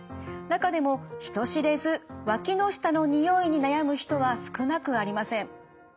中でも人知れずわきの下のにおいに悩む人は少なくありません。